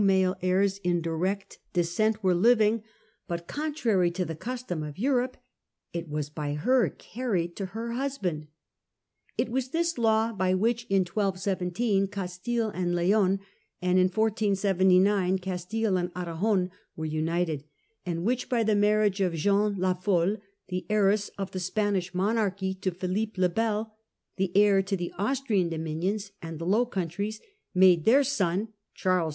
male heirs in direct descent were living, but, contrary to the custom of Europe, it was by her carried to her husband. It was this law by which in 1217 Castille and Leon, and in 1479 Castille and Arragon, were united ; and which by the marriage of Jeanne la Folle, the heiress of the Spanish monarchy, to Philippe le Bel, the heir to the Austrian dominions and the Low Countries, made their son Charles V.